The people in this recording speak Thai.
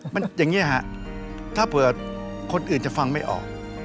มันอย่างนี้ฮะถ้าเผื่อคนอื่นจะฟังไม่ออก